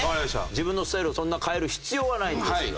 自分のスタイルをそんな変える必要はないんですが。